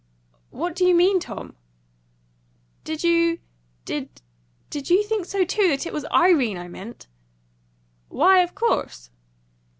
"What do you mean, Tom?" "Did you did did you think so too that it was IRENE I meant?" "Why, of course!"